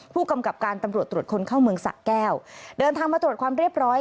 ผู้กำกับการตำรวจตรวจคนเข้าเมืองสะแก้วเดินทางมาตรวจความเรียบร้อย